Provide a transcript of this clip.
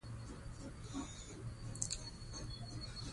تاریخ په حقیقت کې د بشریت د سفر داستان دی.